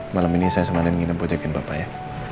malam ini saya sama andien nginep buat jagain papa ya